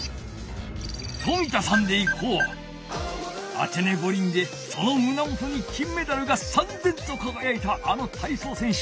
アテネ五輪でそのむなもとに金メダルがさんぜんとかがやいたあの体操選手